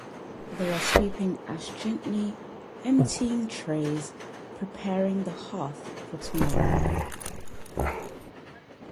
They are sweeping ash gently, emptying trays, preparing the hearth for tomorrow.